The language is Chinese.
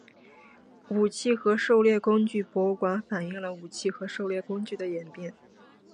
武器和狩猎工具博物馆反映了武器和狩猎工具的演变。